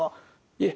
いえ。